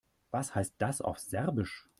Was heißt das auf Serbisch?